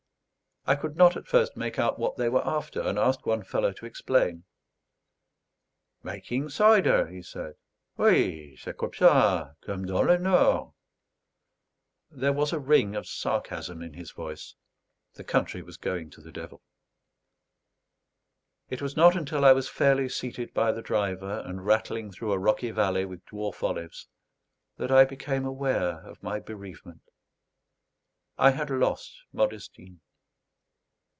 I could not at first make out what they were after, and asked one fellow to explain. "Making cider," he said. "Oui, c'est comme ça. Comme dans le nord!" There was a ring of sarcasm in his voice: the country was going to the devil. It was not until I was fairly seated by the driver, and rattling through a rocky valley with dwarf olives, that I became aware of my bereavement. I had lost Modestine.